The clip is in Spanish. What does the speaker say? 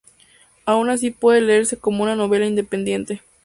Aun así puede leerse como una novela independiente.